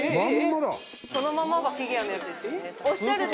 そのままがフィギュアのやつですよね